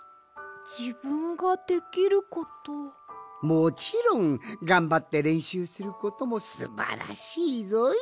もちろんがんばってれんしゅうすることもすばらしいぞい！